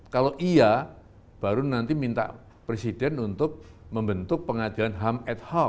kalau iya baru nanti minta presiden untuk membentuk pengadilan ham ad hoc